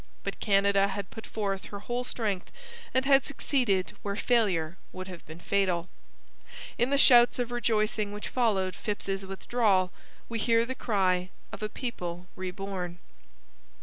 But Canada had put forth her whole strength and had succeeded where failure would have been fatal. In the shouts of rejoicing which followed Phips's withdrawal we hear the cry of a people reborn.